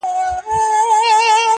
زموږه دوو زړونه دي تل د محبت مخته وي.